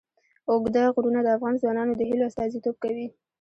اوږده غرونه د افغان ځوانانو د هیلو استازیتوب کوي.